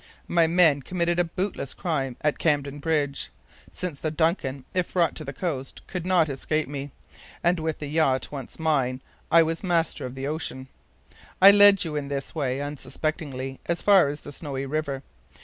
My men committed a bootless crime at Camden Bridge; since the DUNCAN, if brought to the coast, could not escape me, and with the yacht once mine, I was master of the ocean. I led you in this way unsuspectingly as far as the Snowy River.